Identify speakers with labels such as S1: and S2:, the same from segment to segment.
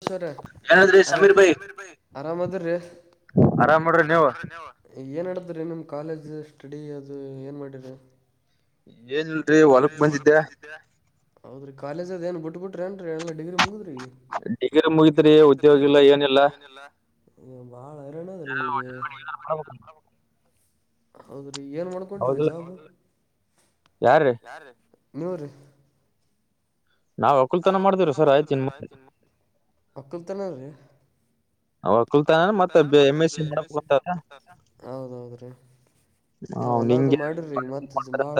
S1: [unintelligible] ಆರಾಮ್ ಅದ್ರೀ ರ ಏನ್ಡದ್ರಿ ನಿಮ ಕಾಲೇಜ ಸ್ಟಡಿ ಅದು ಏನ್ ಮಾಡಿರಿ
S2: ಏನ್ ಇಲ್ರಿ ಹೊಲಕ್ ಬಂದಿದ್ದೆ.
S1: ಹೌದ್ರೀ ಕಾಲೇಜ್ದದ ಏನು ಬಿಟ್ಬ ಬಿಟ್ರ ಏನ್ ಎಲ್ಲ ಡಿಗ್ರಿ ಮುಗಿದ್ರಿ
S2: ಈಗ್ರ ಮುಗಿದ್ರಿ ಉದ್ಯೋಗಿಲ್ಲ ಏನಿಲ್ಲ ಹ ಒಟ್ಟಪಡಿ
S1: ಹೌದ್ರಿ ಏನ್ ಮಾಡ್ಕೊಂಡ್ರಿ ಜಾ ಯಾರ ಮೂರು ನಾವ್ ವಕುಲ್ತನ ಮಾಡ್ದೇವ್ರ ಸರ್ ಆಯ್ತುನ್ ವಕುಲ್ತನೀ ಅವ ಕುತ ಮತ್ತೆ ಎ ಎ ಹೊಲದು ಮಾಡ್ರಿಗ ಮತ್ತ ಬಾಳ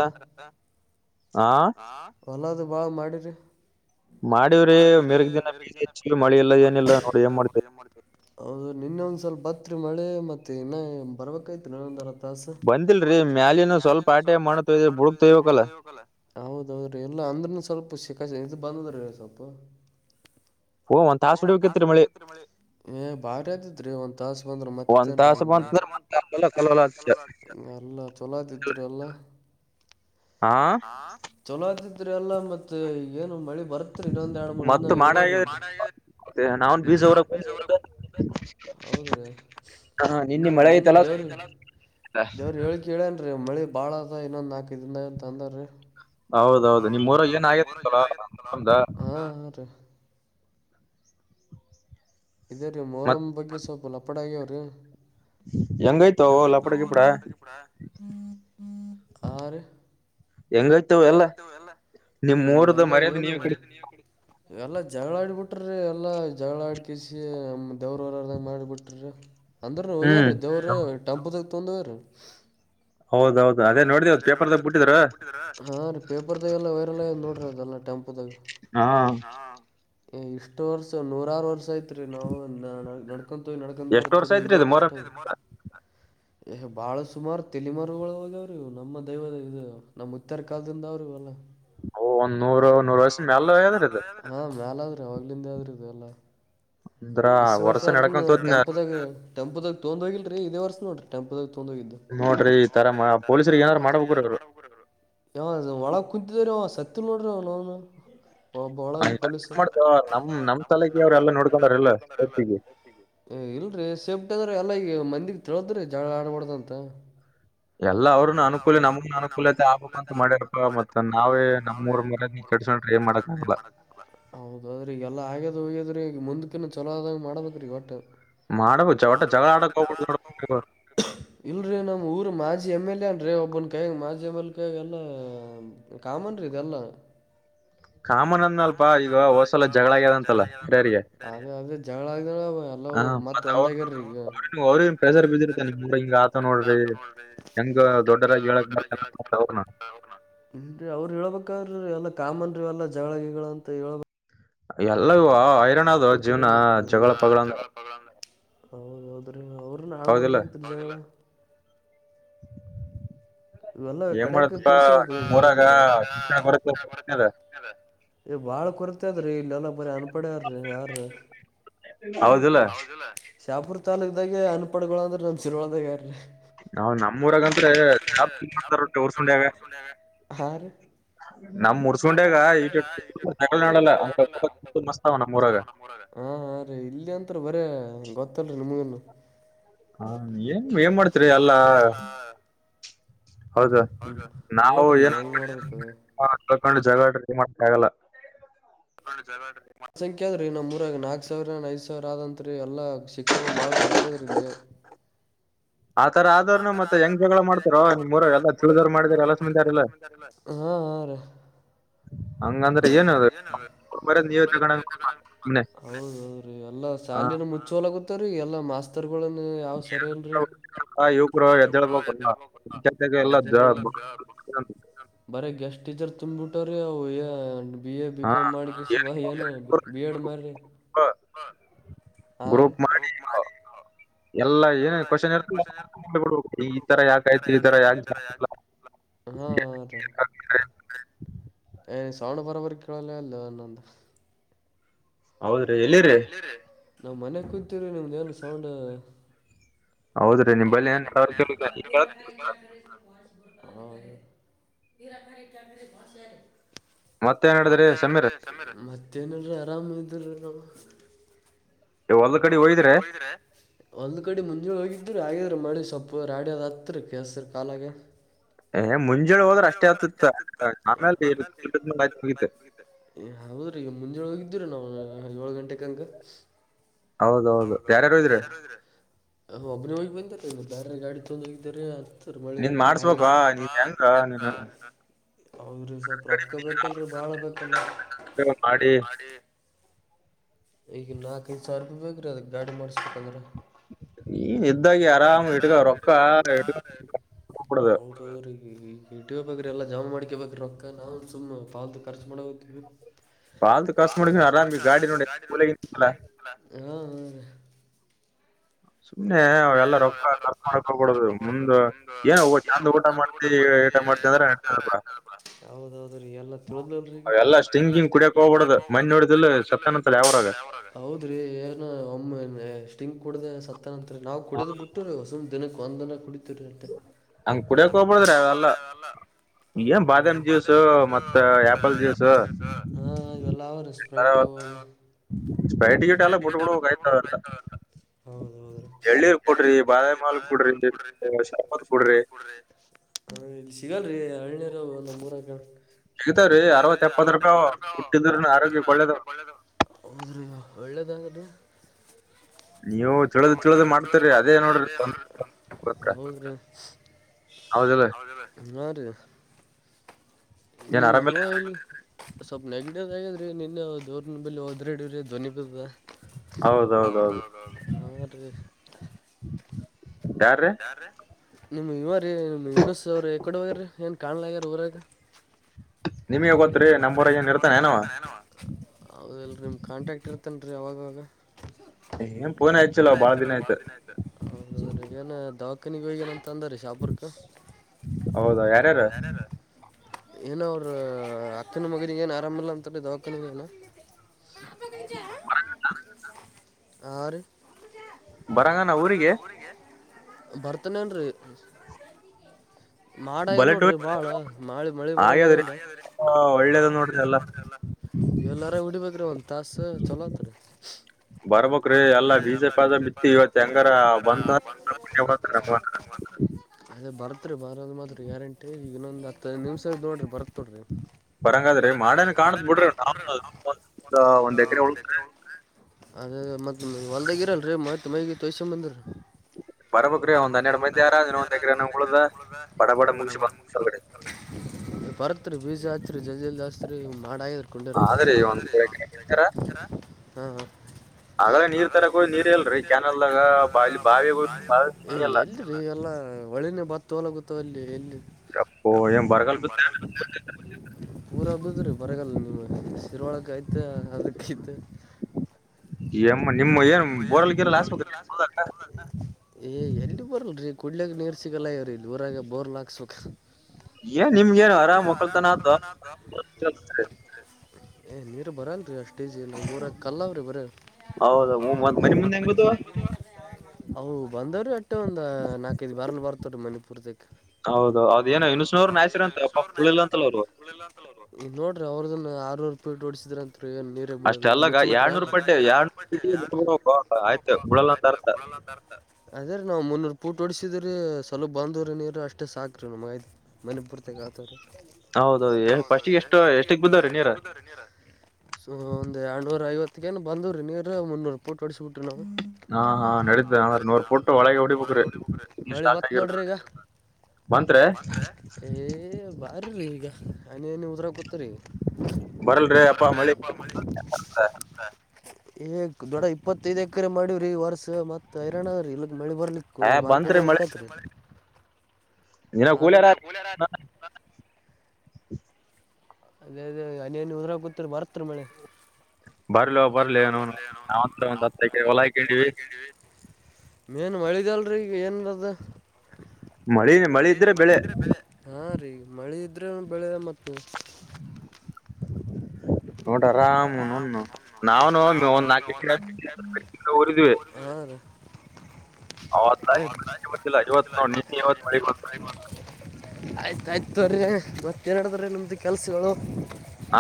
S1: ಹೊಲ ವ ಮಾಡ್ರ ಮಾಡವ್ರಿ ಮೆರಗ್ ದಿನ ಬ ಹೆಚ್ಚ ಮಳಿ ಎಲ್ಲ ಏನಿಲ್ಲ ನೋಡ್ರಿ ಏನ್ ಮಾಡ್ತ ಇನ್ನ ಒಂದ್ ಸ್ವಲ್ ಬತ್ರಿ ಮಳೆ ಮತ್ತೆ ಇನ್ನ ಬರ್ಬೇಕಾಯತ್ ನೊಂದ್ರ
S2: ಬಂದಿಲ್ರರಿ ಮ್ಯಾಲಿನ ಸ್ವಲ್ಪ ಆಟೆ ಮಣ ತೊಯ್ದ ಬುಡ್ಗ್ ತೊಯ್ಬೇಕಲ್ಲ
S1: ಹೌದೌದ್ರೀ ಎಲ್ಲ ಅಂದ್ರನು ಸ್ವಲ್ಪ ಸಿಖ ಇದು ಬಂದದ್ರೀ ಸ್ವಪ ಏ ಬಾರಿ ಅದತ್ ಒಂದ್ ತಾಸ ಬಂದ್ರ ಮತ್ತೇನ್ ಎಲ್ಲ ಚಲೋತಿತ್ ಎಲ್ಲಾ ಹ ಚಲೋ ಆತ್ತಿದ್ರಿ ಅಲ್ಲ ಮತ್ತೆ ಏನು ಮಳೆ ಬರ್ತ್ರಿ ಇನ್ನೊಂದ್ ಎರಡ್ ಮೂರ್ ದಿನ ಹೇಳಿ
S2: ನಾವನ್ ಬೀಜರ
S1: ಹೌದ್ರೀ ಇನ್ನೊಂದು ನಿನ್ನ ದೇವ್ರ ದೇವ್ರ ಹೇಳಕ್ ಹೇಳನ್ ಮಳಿ ಬಾಳ ಅದ ಇನ್ನೊಂದ್ ಹಾಕಿದಿಂದಂತ ಅಂದ್ರೀ ಹೌದೌದು ನಿಮ್ರ ಜನ ಆಗದಂತಲ್ಲ ಇದೇ ರೀ ಮೋರಂ ಬಗ್ಗೆ ಸ್ವಲ್ಪು ಲಪ್ಪಡಗ್ಯವ್ರೀ
S2: ಹ
S1: ಎಲ್ಲಡ್ಮ ಆರು ಎಲ್ಲತ್ತು ಎಲ್ಲ ಈಲ್ಲ ಇವೆಲ್ಲ ಜಗಳ ಆಡ್ಬಿಟ್ರೀ ಎಲ್ಲಾ ಜಗಳ ಆಡ್ಕಿಸಿ ನಮ್ಮ ದೇವ್ರವರಾರದ ಮಾಡಿಬಿಟ್ರಿ ಅಂದ್ರ ಹೋಗ್ಯಾರ ದೇವ್ರ ಟೆಂಪು ತಾಗ ತಂದವ್ರೀ ಹೌದೌದ ರೀ ಪೇಪರ್ದಾಗ ಎಲ್ಲ ವೈರಲ್ ನೋ ದದೆಲ್ಲ ಟೆಂಪುಾಗ
S2: ಹಾ
S1: ಇಷ್ಟು ವರ್ಷ ನೂರಾರು ವರ್ಷ ಯತ್ ರೀ ನಾವು ಗಣ ಯಿಕೊಂಡ ಬರುತವರ ಇದ ಪಸ್ ಎಹ್ ಬಾಳ ಸುಮಾರು ತಲಿಮರುಗಳು ಅವ್ ನಮ್ಮ ದೈವದ ಇದು ನಮ್ಮ್ ಇತ್ತರ ಕಾಲದಿಂದ ಅವ್ರು ಇವಲ್ಲ ಹಾ ಮ್ಯಾಲ ಆದ್ರೆ ಹೋಗ್ಲಿಂದ ಆದ್ರೂದು ಎಲ್ಲಾ ಇಸ್ ವರ್ಷ ಆದ ಟೆಂಪುಾಗ ಟಂಪುದಾಗ ತೊ ಹೋಗಿಲ್ರರಿ ಇದೇ ವರ್ಸ ನೋಡ್ರಿ ಟೆಂಪುದಾಗ ತೊಂದ ಇದ್ದು ನೋಡ್ರಿ ಒಳ ಕುಂತಿದ್ರ ತತ್ತು ನೋಡ್ರ ಅವನ ಅವನು
S2: ಮಾಡ ನಮ್ ನಮ್ ತಲೆಗ ಅವ್ರೆಲ್ಲ ನೋಡ್ಕೊಂಡಾರಲ್ಲ
S1: ಇಲ್ರೀ ಶೆಬ್ಟ ಅಂದ್ರ ಎಲ್ಲ ಈಗ ಮಂದಿಗ್ ತೆಳದ್ರಿ ಜ ಆಡ್ಬಡ್ದ ಅಂತ
S2: ಎಲ್ಲಾ ಅವ್ರನು ಅನುಕೂಲಿ ನಮಗನು ಅನುಕೂಲತೆ ಆಗ್ಬೇಕು ಅಂತ ಮಾಡ್ಯಾರಪ್ಪ ಮತ್ತತ್ ನಾವೇ ನಮ್ಮೂಊರ ಮರ ಕೆಸ
S1: ಹೌದ್ರೆ ಎಲ್ಲ ಹಾಗಗದು ಹಗ ಈ ಮುಂದಕ ಚಲೋ ಆದ್ ಮಾಡಬೇಕ್ರೀ ಒಟ್ಟ ಇಲ್ರಿ ನಮ್ ಊ ಮಾಿ ಎಂ ಎಲ್ ಎ ಅನ್ರರಿ ಒಬ್ಬನ್ ಕಾಯ ಮಾಜಿ ಎಮ್ ಎಲ್ ಕಾಯಗೆ ಎಲ್ಲ ಕಾಮನ್ ರೀ ಇದೆಲ್ಲಾ
S2: ಹ
S1: ಕಾಮನ್ ಅಂದನಲ್ಪಾ ಇದು ಹೊಸಲ ಜಗಳ ಆಗ್ಯಾದಂತಲ್ಲ ಅದೇ ಅದೇ ಜಗಳಾ ಅಲೋ ಮತ್ ಒಂದಾಗ್ಯಾರಿಗ
S2: ಅವ್ರನ್ ಪ್ರೆಸರ್ ಬಿದ್ದಿರ್ತ್ತ ನಿಮ್ರ ಹಿಂಗ ಆತ ನೋಡ್ರಿ ಹೆಂಗ
S1: ಇಲ್ಲರೀ ಅವರು ಹೇಳಬೇಕಾದ್ರ ಲ್ಲ ಕಾಮನ್ರಿ ಎಲ್ಲ ಜಗಳಗಿಗಳ ಅಂತ ಹೇಳ್ಬ
S2: ಎಲ್ಲ ಇ ಐರನ್ ಅದು ಜೀವ್ನ ಜಗಳ ಪಗಳ ಅಂದ್ರೆ
S1: ಹೌದೌದ್ರಿ ಅವರುನ ಆಡಬಾಡ ದಾಗಿತ್ ಜಗಳ
S2: ಏನ್ ಮಾಡತ್ತಪ್ಪಾ ನಿಮೂರಾಗ [unintelligible]
S1: ಬಾಳ್ ಕುರತೆದ್ರೀ ಇಲ್ಲ ಎಲ್ಲ ಬರೀ ಅನ್ಪಡಾರ್ರಿ ಯಾರ್ರೀ ಹೌದಿಲ್ಲ ಶಾಪುರ್ ತಾಲೂಕದಾಗೆ ಅನ್ಪಡಗಳೋ ಅಂದ್ರ ನಮ್ ಶಿರವಾಳದಾಗ ಆರಿ ನಮ ಊರಾಗಂದ್ರೆ [unintelligible] ಮಾಡತಾರಟ್ಟ ಉರ್ಕೊಂಡಾಗ ನಮ್ ಉರ್ಸ್ಕೊಂಡಗ ಈಗಲ್ಲ ಮಸ್ತ್ ಅವ ನಮ್ಮೂರಾಗ ಹ್ಮ ಹ್ಮ ರೀ ಇಲ್ಲಿ ಅಂತರ ಬರೆ ಗೊತ್ತಲ್ರಿ ನಿಮಗನು
S2: ಹಾ ಏನ್ ಏನ್ ಮಾಡ್ತರಿ ಅಲ್ಲಾ ಹೌದಾ ನಾವು ಏನ ತಕೊಂಡು [unintelligible] ಆಗಲ್ಲ
S1: ಜನ ಸಂಖ್ಯಾ ಅದ್ರೀ ನಮೂರಾಗ ನಾಕ್ ಸಾವಿರ ಐದ್ ಸಾವಿರ ಆದಂತ್ರಿ ಅಲ್ಲಾ ಶಿಕ್ಷಣ ಬಾಳ್ ಕೊರತೆ ಆದರಿಲ್ಲಿ ಆತರ ಆದಾರ ಮತ್ತೆ ಹೆಂಗ್ ಕೂಡ ಮಾಡ್ತಾರ ನಿಮೂರಗ ಎಲ್ಲ ತಿಳದರ್ ಮಾಡಿದ ಎಲ್ಲ ಸಮಚಾರ ಎಲ್ಲ ಹಾ ರೀ
S2: ಹಂಗಂದ್ರ ಏನು ಅದು
S1: ಹ್ಮ ಹ್ಮ ರೀ ಎಲ್ಲ ಶಾಲಿನ ಮುಚ್ಚೋಲಗ ತರಿ ಎಲ್ಲಾ ಮಾಸ್ತರ್ ಗಳನ್ ಯಾವ್ ಸರಿ ಅಲ್ರರಿ ಬರಗ್ ಎಷ್ಟ [unintelligible] ಟೀಚರ್ ತುಂಬ್ಬಿಟ್ಟ್ರೀ ಅವುಯ ಬಿ ಎ ಬಿಕಾಂ ಮಾಡಿ ವ ಬಿ ಎಡ್ ಮಾಡ
S2: ಗ್ರೂಪ್ ಮಾಡಿ ಎಲ್ಲಾ ಏನ ಕ್ವಶನ್ ಇರ್ತಿ ಈ ತರ ಯಾಕ ಆಯ್ತಿ ಈ ತರ ಯಾಕ ಇಲ್ಲ
S1: ಹಾ ರೀ [unintelligible] ಕೇಳಲ್ಲಾಗ್ಯದ ಲೇ ನಂದ
S2: ಹೌದ್ರಿ ಎಲ್ಲಿರಿ
S1: ನಾವ್ ಮನೆ ಕುಂತೀರೀ ನಿಮ್ದ ಏನು ಸೌಂಡ್ ಹೌದ್ರೀ ನಿಮ್ ಬಲ್ಲಿ [unintelligible] [unintelligible] ಮತ್ತ ಮತ್ತೇನ್ಡ್ರಿ ಸಮೀರಾ ಮತ್ತು ಏನಿಲ್ಲ ರಿ ಆರಾಮ ಇದವ್ರಿ ನಾವ ಒಂದು ಕಡೆ ಹೋಗಿದ್ರೆ ಒಂದು ಕಡೆ ಮುಂಜೆ ಹೋಗಿ ಇಬ್ರ್ ಆಗಿದ್ರೀ ಮಡಿ ಸೊಪ್ಪು ರಾಡಿಯದ ಹತ್ತ ರೀ ಕೇಸ್ರ್ ಕಾಲಾಗೆ.
S2: ಏ ಏ ಬ್ಬ್
S1: ಏ ಮುಂಜಾನೆ ಹೋದ್ರೆ ಅಷ್ಟೇ ಆತ್ತಿತ್ತ ಆಮೇಲ್, [unintelligible] ಏ ಹೌರಿ. ಮುಂಜೆಳ್ ಹೋಗಿದ್ರಿ ನಾವು ಏಳು ಗಂಟೆಗಂಗ. ಹೌದೌದು ಯಾರ ಯಾರ ಹೋಗಿರಿ ನಾ ಒಬ್ಬನೇ ಹೋಗಿ ಬಂದನಿರಿ ಇ ಬೇರೆ ಗಾಡಿ ತೊಗಂಡ ಹೋಗಾರ ಅಂತ ಮಳೆ [unintelligible] ಹೌದ್ರಿ ಸ್ವಲ್ಪ ರೊಕ್ಕ ಬೇಕಲ್ರರಿ ಬಾಳ ಬೇಕಲ್ ಈಗ ನಾಲ್ಕೈಐದು ಸಾವಿರ ರೂಪಿ ಬೇಕರೀ ಅದ ಗಾಡಿ ಮಾಡಸ್ಬೇಕಂದ್ರ
S2: ಇದ್ದಾಗೆ ಆರಾಮ್ ಇಟ್ಕ ರೊಕ್ಕ
S1: ಊರಾಗ ಇದಿವಿ ಇಟಗ ಬೇಕ್ರಿ ಎಲ್ಲ ಜಮಾ ಮಾಡ್ಕ ಬೇಕ್ರಿ ನಾ ಸುಮ್ ಪಾಲತು ಖರ್ಚ ಮಾಡ ಹೋಗ್ತೀವಿ
S2: ಪಾಲ್ತ್ ಕಷ್ಟ ಮಾಡ ಆರಾಮಿ ಗಾಡಿ ನೋಡಿಗಲ್ಲ
S1: ಆ ರಿ
S2: ಸುಮ್ನೆ ಅವೆಲ್ಲ ರೊಕ್ಕ ಕರ್ಕು ಮಾಡಕ್ ಹೋಗ್ಬಿಡೋದು ಮುಂದ ಏನ ಚೆಂದ ಊಟ ಮಾಡ್ತಿ
S1: [unintelligible] ಹೌದ ಮೊನ್ನ್ ನೋಡಿದಲ್ಲ ಸ್ವಪ್ ಯಾವೂರಗ, ಹೌದ್ರಿ ಏನು ಒಮ್ಮೆಲೆ. ತಿಂಗ್ ಕುಡ್ದ ಸತ್ತನ ಅಂತ್ರಿ ನವು ಕುಡಿದ್ ಬಿಟ್ಟ್ ಸಮ್ ದಿನಕ್ ಒಂದನ ಕುಡಿದ್ [unintelligible] ಹಂಗ್ ಕುಡ್ಯಾಕ್ ಹೋಗ್ಬಾದ್ರಿ ಹಂಗೆಲ್ಲ. ಅವ್ ಏನ್ ಬಾದಾಮ್ ಜ್ಯೂಸ್ ಮತ್ತ ಆಪಲ್ ಜ್ಯೂಸ ಹ ಇವೆಲ್ಲ ಅವ್ರಿ ಸ್ಪ್ರೈಟ್. [unintelligible]
S2: ಸ್ಪ್ರೈಟ್ ಗಿಟ್ ಎಲ್ಲ ಬುಟ್ಬುಡ್ಬೇಕ್ ಆಯ್ತಾವೆಲ್ಲ. ಎಳ್ನೀರ್ ಕುಡ್ರಿ ಬಾದಾಮಿ ಹಾಲ್ ಕುಡ್ರಿ ಶರ್ಬತ್ ಕುಡ್ರಿ.
S1: ಇಲ್ ಸಿಗಲ್ಲರಿ ಹಳ್ಳಿರು ನಮ್ ಊರಗ. ಸಿಗ್ತಾವ್ರೀ ಅರ್ವತ್ ಎಪ್ಪತ್ ರುಪಾಯ್ ಅವ್ ಹುಟ್ಟಿದ್ರ ಆರೋಗ್ಯ ಒಳ್ಳೇದು, ಹೌದ್ರಿ. ಬಿಳೆದಾಗದು.
S2: ನೀವು ತಿಳಿದ ತಿಳ್ದ್ ಮಾಡ್ತರಿ ಅದೇ ನೋಡ್ರಿ ತೊಂ
S1: ಹೌದ್ರಿ, ಹೌದಿಲ್ಲ ಹಾ ರಿ. ನಿಮ್ ಯುವ, ಸ್ವಪ್ ನೆಗ್ಡಿ ಅದ್ಯಾಗದೆ. ಅದೆ ನೆನ್ನೆ ಅವ್ದ್ ದೊರನ್ ಬಲ್ಲಿ ಹೋದ್ರೆಡಿವ್ರಿ ಧ್ವನಿ ಬಿದ್ದದ. ಹೌದೌದೌದು ಹಂಗಂನ್ರೀ. ಯಾರ್ರೀ ನಿಮ್ ಯುವ ರೀ ನಿಮ್ ಯುಎಸ್ ಅವ್ರು ಯಕಡೆ ಹೋಗ್ಯಾರೀ ಏನ್ ಕಾಣ್ಲಗ್ಯಾರ ಊರಾಗ. ನಿಮ್ಗೆ ಗೋತ್ರಿ ನಮ್ ಊರಗೇನ್ ಇರ್ತನ್ ಅವ, ಹೌದಿಲ್ರಿ ನಿಮ್ ಕಾಂಟ್ಯಾಕ್ಟ್ ಇರ್ತೇನ್ ರೆ ಯಾವಾಗವಾಗ. ಪೋನೆ ಹಚ್ಚಿಲ್ಲ ಭಾಳ್ ದಿನ ಆಯ್ತು, ಹೌದ್ ಅವ್ರಿಗೇನ್ ದೌತ್ ಅಕ್ಕನಿಗ ಹೋಗ್ಯನ್ ಅಂತ ಅಂದರಿ ಶಾಪುರ್ಕ್ಕ.
S2: ಹೌದಾ ಯಾರ್ಯಾರ.
S1: ಏನೋ ಅವ್ರ ಅಕ್ಕನ ಮಗನಿಗ್ ಏನ ಆರಾಮಿಲ್ಲ ಅಂತಡಿ ದಾವಾಖಾನಿಗ್ ಹೊಗ್ಯಾನ. ಹಾವ್ರಿ
S2: ಬರಗಾನ ಊರಿಗೆ.
S1: ಬರ್ತನ್ ಏನ್ರೀ. ಮಾಡ ಆಗ್ಯದ್ ನೋಡ್ರಿ ಬಾಳ ಮಾಳಿ ಮಳಿ ಬರಂಗದಂ ಆಯ್
S2: ಹಾ ಒಳ್ಳೇದ್
S1: ಒಳ್ಳೇದು ನೋಡ್ರಿ ಎಲ್ಲ, ಎಲ್ಲಾರ ವಡಿಬೇಕ್ರಿ ಒಂದ್ ತಾಸ ಚಲೋ ಅತ್ರಿ. ಬರ್ಬಕ್ರಿ ಎಲ್ಲಾ ಬೀಜ ಪಾಜ ಬಿತ್ತಿವಿ ಇವತ್ ಹೆಂಗಾರ ಬ [unintelligible] ಅದೇ ಬರತ್ರಿ ಬರದ್ ಮಾತ್ರ ಗ್ಯಾರಂಟಿ ಇಗ್ ಇನ್ನೊಂದ. ತ ನಿಮ್ ಸೈಡ್ ನೋಡ್ರಿ ಬರ್ತನೋಡ್ರಿ.
S2: ಹಂಗಾದ್ರೆ ಮಾಡೇನ್ ಕಾಣುತ್ ಬಿಡ್ರಿ ಟಾಪ್ನಾಗ್ ಒಂದ್ ಎಕ್ರೆ ಉಳುದ್ರೆ.
S1: ಅದೆ ಅದೇ ಮತ್ತ ಹೊಲ್ದಾಗ್ ಇರಲ್ರೀ ಮತ್ ಮೈಗಿ ತೋಯೀಸ್ಕ್ಬಂದರ.
S2: [inaudible]
S1: ಬರಬೇಕ್ರಿ ಒಂದ್ ಹನ್ನೆರಡ್ ಮಂದ್ಯಾರು ಅದ್ರಾಗ ಒಂದ್ ಎಕ್ರೆ ಉಳದ ಬಡ ಬಡ ಮುಗಿಸಬೇಕ. ಬರ್ತಾರಿ ಬೀಜಾ ಹಚ್ ಜಲ್ದಿ ಜಲ್ದಿ ಅಚ್ಚರಿ ಮಾಡ ಆಗ್ಯದ ಕುಂಡ್ಯಾರೆಂಗ, ಆದ್ರಿ ಒಂದ್ ಎಕ್ರೆ. ಹ ಹ ಅದ್ರಾಗ ನೀರ್ ತರಕ್ ಹೋಗಿನ್ರಿ ನೀರೆ ಇಲ್ರಿ ಕೇನಲ್ದಾಗ ಬಾವಿ ಬಾವಿಗೆ, ಎ ಎಲ್ಲ ರಿ ಎಲ್ಲ. ಮಳಿನೇ ಬತ್ ತೊವ್ಲ್ಗೂತ್ತಾದ ಅಲ್ಲಿ ಎಲ್ಲಿ.
S2: ಗ್ಯಾಪ್ಸ್
S1: ಎಪ್ಪೋ ಏನ್ ಬರ್ಗಾಲ ಬಿತ್ತಾ ಏನ, ಉರಾಗ್ ಬಿದ್ರಿ ಬರಗಲ್ ನೀ ಶೀರ್ವಾಳ ಆಯ್ತ. ಹ ಅದಕಿದ್ದು.
S2: ಏಮ್
S1: ಎ ಎಲ್ಲಿ ಬೋರಲ್ರಿ. ಕುಡ್ಲೆಕ್ಕ ನೀರ ಸಿಗಲ್ಲ ಆಗ್ಯವರಿ ಊರಾಗ ಬೋರಲ್ ಹಾಕ್ಸಕ. ಏ ನಿಮ್ಗೆನ್ ಆರಾಮ ಒಕ್ಕಲತನ ಆದ ಏ ನೀರು ಬರಲ್ರಿ ಅಷ್ಟ ಈಜಿ ನಮ್ಮ ಊರಗ ಕಲ್ಲಾವ್ರಿ ಬರೆ.
S2: ಹೌದ ಹ್ಮು ಮತ್ ಮನಿ ಮುಂದ ಹ್ಯಾಂಗ ಬಿದ್ದು.
S1: ಅವು ಬಂದವ್ರೀ ಅಟ್ಟ ಒಂದು ನಾಕೈದ ಬ್ಯಾರಲ್ಲ ಬರ್ತವ ರೀ ಮನಿಪುರತಕ್ಕ. ಹೌದೌದ ಅದ ಏನ್ ಇನ್ಸುರ ನ್ಯಾಚುರಂತ [unintelligible] ಪಾಪ ಉಳಿದಿಲ್ಲ ಈಗ ನೋಡ್ರಿ ಅವ್ರನು ಆರನೂರ ಪೀಟ ಹೊಡಿಸಿದ್ರಂತರಿ ಏನ್ ನೀರ ಬೀಳಿಲ್ಲ ಮುಚ್ಚಿ ಬಿಟ್ರೆನ್. ಎರಡನೊರ ಪಟ್ಟೆ ಯಾರ್ ಆಯ್ತ ಬೀಳಲ್ಲಂತ ಅರ್ಥ ಅದೇ ರಿ ನಾವು ಮುನ್ನೂರ ಪೂಟ್. ಹೊಡಸಿದ್ರಿ ಸ್ವಲಪ ಬಂದವ್ರೀ ನೀರ ಅಷ್ಟೇ ಸಾಕ್ರೀ ನಮ್ಗ ಮನಿ ಪುರತಕ್ಕ ಆತವ್ರೀ. ಹೌದದ ಎ ಏನ್ ಫಸ್ಟಿಗ ಎಷ್ಟ ಎಷ್ಟಕ್ಕ ಬಿದ್ದವ್ರಿ ನೀರ ಸೊ ಒಂದ ಎರಡ್ನೂರ ಐವತ್ತ. ತ್ತಗ ಏನ್ ಬಂದುರಿ ನೀರ ಮುನ್ನೂರ ಪೂಟ ಹೊಡಿಸಿ ಬಿಟ್ಟಿವಿ ನಾವು.
S2: [inaudible]
S1: ಹಾ ಹಾ ನಡೀತದ ಆದ್ರ ಮುನ್ನೂರ ಪೂಟ ಒಳಗ ಹೊಡಿಬೇಕ್ರಿ ಮಳಿ ಬತ್ ನೋಡ್ರಿ ಈಗ. ಬಂತರ್ಯ ಎ ಬರ್ರಿ. ಈಗ ಹನಿ ಹನಿ ಉದ್ರಾ ಕುತರಿ ಬರಲ್ರಿ ಎಪ್ಪಾ ಮಳಿ. ಏಕ ದೊಡ್ಡ ಇಪ್ಪತ್ತೈದ್ ಎಕರೆ ಮಾಡಿವ್ರಿ ಈ ವರ್ಸ ಮತ್ ಹೈರಾಣ್ ಆದ್ರಿ ಇರ್ಲಕ. ಮಳಿ ಬರ್ಲಿಕ್ಕ ಮಾರ್ಕೆನ್ದ ಹೋಗ್ಬೇಕತ್ರಿ. ಹಾ ರಿ
S2: [inaudible]
S1: ಅದೇ ಅದೇ ಹನಿಹನಿ ಉದ್ರ ಕುತ್ರಿ ಬರ್ತ್ರಿ ಮಳೆ.
S2: ಬರ್ಲೋ ಬರ್ಲಿ ಅವುನೌನ ನಾವಂತ್ರ ಒಂದ್ ಹತ್ತ ಎಕರೆ ಹೊಲ ಹಾಕಂಡಿವಿ.
S1: ಏನ್ ಮಳಿದೇ ಅಲ್ರಿ ಈಗ ಏನಡದ. ಮಳಿ ಮಳಿ ಇದ್ರೆ ಬೆಲೆ ಹ ರಿ. ರಿ ಮಳಿ ಇದ್ರೆ ಬೆಳೆ ಮತ್.
S2: [inaudible] ನೋಡ್ರ ಆರಾಮ್ ನೌನ್ ನಾವನು ಒಂದ್ ನಾಕ ಎಕರೆ ಕಟ [unintelligible] ಉರಿದಿವಿ
S1: ಅದ
S2: ಅವತ ಹೆಚ್ಚ ಮಳಿನೆ ಬಂದಿಲ್ಲ ಇವತ್ತ ನೋಡ ನೀನ್ನಿ ಇವತ್ ಮಳಿ ಬಂದದ.
S1: ಆಯ್ತಾತಯ್ತ್ ತೋರಿ ಮತ್ತ ಏನ್ ನಡದದ್ರಿ ನಿಮ್ದು ಕೆಲ್ಸಗಳು.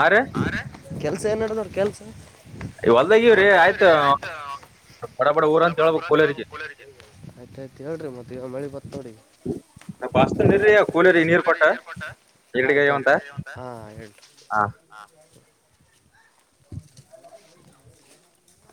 S2: ಆ ರಿ
S1: ಮತ್ತೆ ನಡದದ್ರಿ ಕೆಲಸ.
S2: ಹೊಲ್ದಾಗೀವ್ರೀ ಆಯ್ತು.
S1: ಆಯ್ತ ಆಯ್ತ ಹೇಳ್ರಿ ಮತ್ತಿಗ ಮಳಿ ಬ ನೋಡಿಗ
S2: ಬಸ್ತ ನೀರಿ ಕೂಲರಿ ನೀರ್ ಕೊಟ್ಟ [unintelligible]
S1: ಆಯ್ತಾಯ್ತು ತೋ ಹಾ ಇಡ